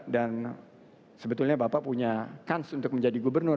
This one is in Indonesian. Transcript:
dan sebetulnya bapak punya kans untuk menjadi gubernur